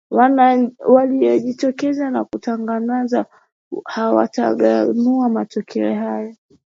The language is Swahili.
walijitokeza na kutangaza hawatatagua matokeo hayo